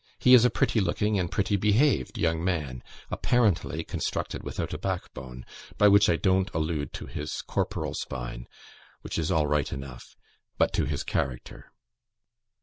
He is a pretty looking and pretty behaved young man, apparently constructed without a backbone; by which I don't allude to his corporal spine, which is all right enough, but to his character.